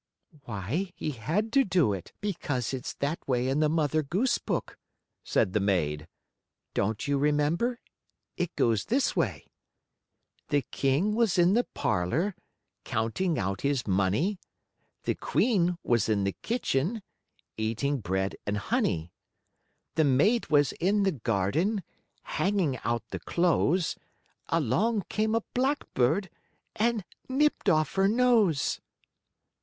"Why, he had to do it, because it's that way in the Mother Goose book," said the maid. "Don't you remember? It goes this way: "'The King was in the parlor, Counting out his money, The Queen was in the kitchen, Eating bread and honey. The maid was in the garden, Hanging out the clothes, Along came a blackbird And nipped off her nose.'